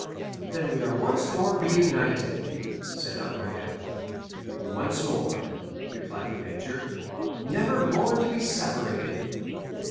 "Then we are once more reunited?" said Andrea. "Once more," replied the major. "Never more to be separated?"